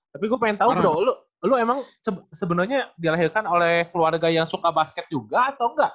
tapi gue pengen tau bro lu emang sebenernya dilahirkan oleh keluarga yang suka basket juga atau engga